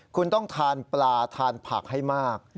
คุณต้องทานปลาทานผักให้มาก